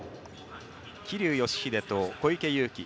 桐生祥秀と小池祐貴